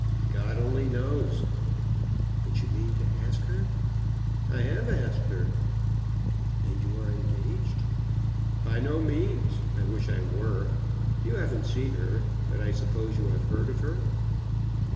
"God only knows." "But you mean to ask her?" "I have asked her." "And you are engaged?" "By no means. I wish I were. You haven't seen her, but I suppose you have heard of her?"